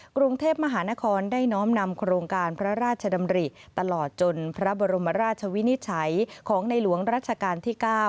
กรุงเทพมหานครได้น้อมนำโครงการพระราชดำริตลอดจนพระบรมราชวินิจฉัยของในหลวงรัชกาลที่๙